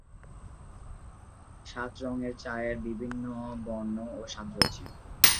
সাত রং চায়ের ভিন্ন ভিন্ন বর্ণ এবং স্বাদ রয়েছে।